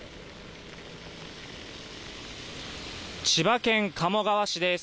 千葉県鴨川市です。